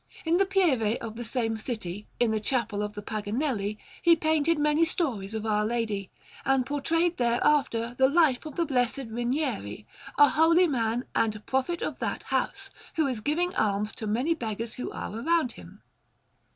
In the Pieve of the same city, in the Chapel of the Paganelli, he painted many stories of Our Lady, and portrayed there after the life the Blessed Rinieri, a holy man and prophet of that house, who is giving alms to many beggars who are round him.